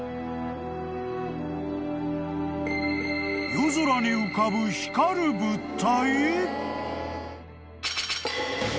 ［夜空に浮かぶ光る物体？］